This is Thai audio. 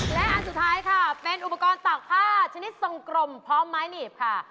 และอันสุดท้ายค่ะเป็นอุปกรณ์ตากผ้าชนิดทรงกลมพร้อมไม้หนีบค่ะ